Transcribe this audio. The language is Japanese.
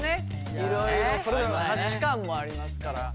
いろいろそれぞれの価値観もありますから。